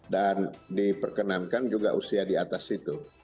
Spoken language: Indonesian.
dan diperkenankan juga usia di atas itu